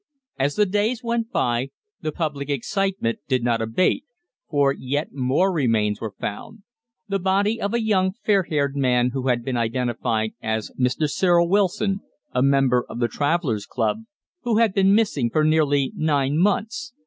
As the days went by, the public excitement did not abate, for yet more remains were found the body of a young, fair haired man who had been identified as Mr. Cyril Wilson, a member of the Travellers' Club, who had been missing for nearly nine months.